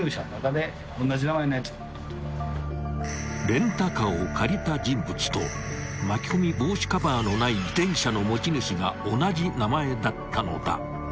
［レンタカーを借りた人物と巻き込み防止カバーのない自転車の持ち主が同じ名前だったのだ］